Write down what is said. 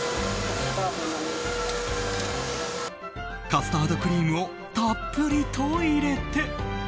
カスタードクリームをたっぷりと入れて。